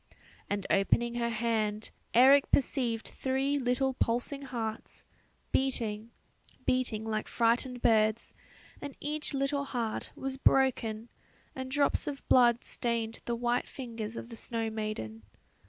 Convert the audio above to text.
And opening her hand, Eric perceived three little pulsing hearts, beating, beating like frightened birds and each little heart was broken, and drops of blood stained the white fingers of the snow maiden.